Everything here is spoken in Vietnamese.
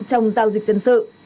trong giao dịch dân sự